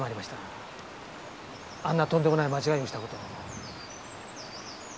あんなとんでもない間違いをした事を。